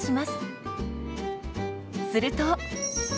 すると。